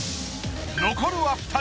残るは２人。